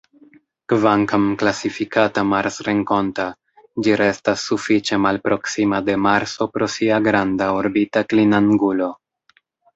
Kvankam klasifikata "marsrenkonta", ĝi restas sufiĉe malproksima de Marso pro sia granda orbita klinangulo.